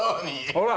ほら！